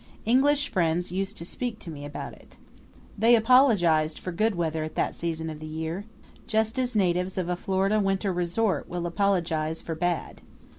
English friends used to speak to me about it. They apologized for good weather at that season of the year, just as natives of a Florida winter resort will apologize for bad.